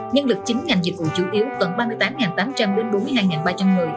nhân lực chín ngành dịch vụ chủ yếu tổng ba mươi tám tám trăm linh bốn mươi hai ba trăm một mươi